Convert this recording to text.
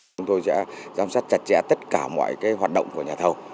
chúng tôi sẽ giám sát chặt chẽ tất cả mọi hoạt động của nhà thầu